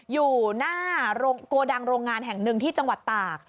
อยู่หน้าโกดังโรงงานแห่งหนึ่งที่จังหวัดตาก